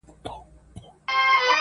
• اې ښكلي پاچا سومه چي ستا سومه.